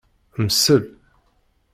Msel.